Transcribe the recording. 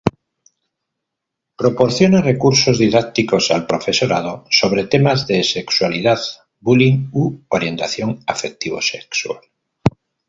Proporciona recursos didácticos al profesorado sobre temas de sexualidad, "bullying" u orientación afectivo-sexual.